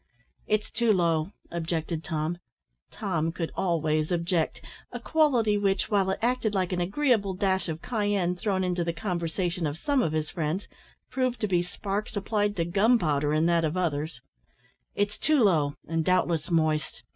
"It's too low," objected Tom, (Tom could always object a quality which, while it acted like an agreeable dash of cayenne thrown into the conversation of some of his friends, proved to be sparks applied to gunpowder in that of others;) "it's too low, and, doubtless, moist.